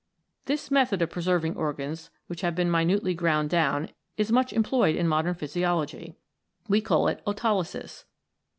This method of preserving organs which have been minutely ground down is much employed in modern physiology. We call it Autolysis.